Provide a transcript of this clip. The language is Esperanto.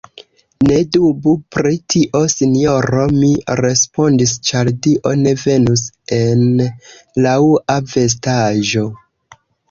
Ne dubu pri tio, sinjoro, mi respondis, Ĉar Dio ne venus en laŭa vestaĵo.